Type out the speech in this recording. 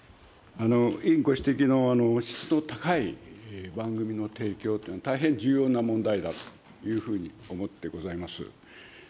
委員ご指摘の質の高い番組の提供というのは、大変重要な問題だというふうに思ってございます。